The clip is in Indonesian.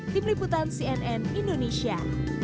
tim liputan cnn indonesia